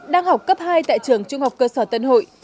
đang học cấp hai tại trường trung học cơ sở tân hội